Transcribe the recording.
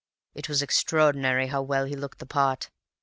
It was extraordinary how well he looked the part.